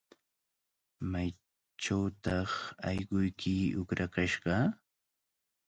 ¿Maychawtaq allquyki uqrakashqa?